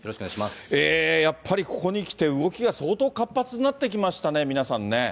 やっぱりここにきて、動きが相当活発になってきましたね、皆さんね。